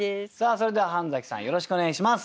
それでは半さんよろしくお願いします。